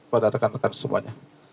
pada rekan rekan semuanya